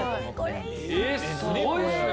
すごいっすね！